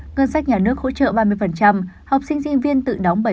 ngân sách nhà nước hỗ trợ ba mươi học sinh sinh viên tự đóng bảy mươi